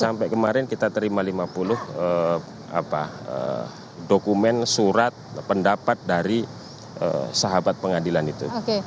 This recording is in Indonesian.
sampai kemarin kita terima lima puluh dokumen surat pendapat dari sahabat pengadilan itu